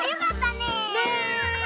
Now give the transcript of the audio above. ねえ。